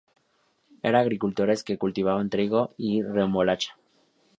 Eran agricultores que cultivaban trigo y remolacha.